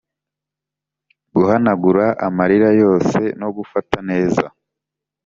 guhanagura amarira yose no kugufata neza.